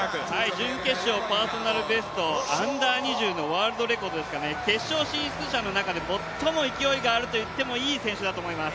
準決勝パーソナルベスト、Ｕ−２０のワールドレコードですから決勝進出者の中で最も勢いがあると言っていい選手だと思います。